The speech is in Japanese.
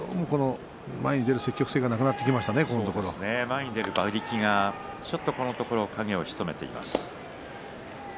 御嶽海は前に出る積極性が前に出る馬力がこのところ影を潜めています。